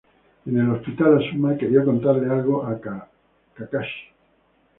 En el hospital Asuma quería contarle algo a Kakashi.